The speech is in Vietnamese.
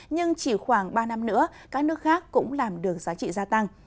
nhưng chỉ khoảng ba năm nữa các nước khác cũng làm được giá trị gia tăng